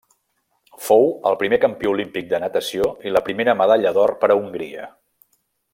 Fou el primer campió olímpic de natació i la primera medalla d'or per a Hongria.